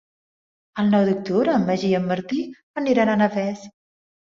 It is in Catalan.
El nou d'octubre en Magí i en Martí aniran a Navès.